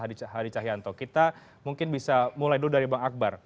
mas gakar hadid cahyanto kita mungkin bisa mulai dulu dari bang akbar